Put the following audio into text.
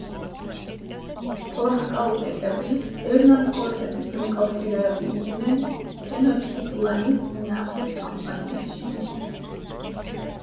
ტლაჰკალტეკები ერნან კორტესის მოკავშირეები იყვნენ ტენოჩტიტლანის წინააღმდეგ კამპანიაში.